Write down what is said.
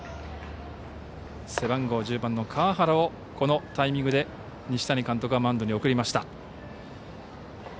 背番号１０番の川原をこのタイミングで西谷監督はマウンドに送りました。